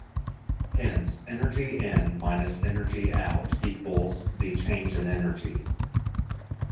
Hence "energy in" minus "energy out" equals the "change in energy".